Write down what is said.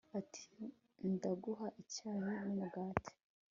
ati ndaguha icyayi numugati